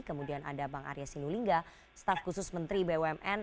kemudian ada bang arya sinulinga staf khusus menteri bumn